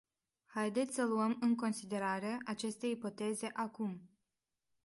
Haideți să luăm în considerare aceste ipoteze acum.